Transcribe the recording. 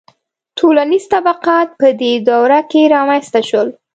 • ټولنیز طبقات په دې دوره کې رامنځته شول.